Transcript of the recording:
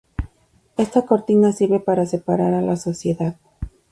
Esta cortina sirve para separar a la sociedad.